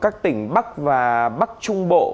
các tỉnh bắc và bắc trung bộ